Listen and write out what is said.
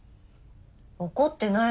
怒ってないわよ。